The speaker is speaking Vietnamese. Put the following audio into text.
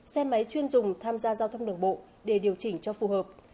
xe máy chuyên dùng tham gia giao thông đường bộ để điều chỉnh cho phù hợp